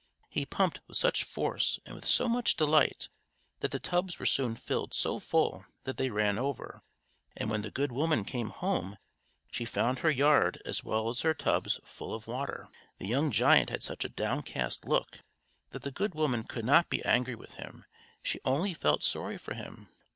He pumped with such force and with so much delight, that the tubs were soon filled so full that they ran over, and when the good woman came home she found her yard as well as her tubs full of water. The young giant had such a downcast look, that the good woman could not be angry with him; she only felt sorry for him.